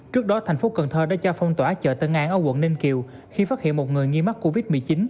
trước đó thành phố cần thơ đã cho phong tỏa chợ tân an ở quận ninh kiều khi phát hiện một người nghi mắc covid một mươi chín